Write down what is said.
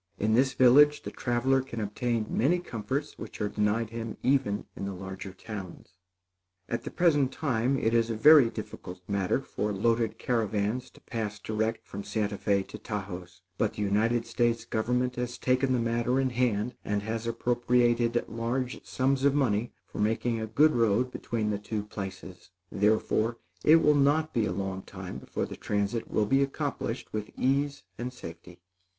In this village, the traveler can obtain many comforts which are denied him even in the larger towns. At the present time it is a very difficult matter for loaded caravans to pass direct from Santa Fé to Taos; but the United States government has taken the matter in hand and has appropriated large sums of money for making a good road between the two places; therefore, it will not be a long time before the transit will be accomplished with ease and safety.